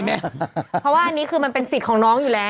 เพราะว่าอันนี้คือมันเป็นสิทธิ์ของน้องอยู่แล้ว